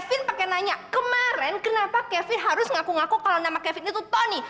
kevin pake nanya kemaren kenapa kevin harus ngaku ngaku kalau nama kevin itu tony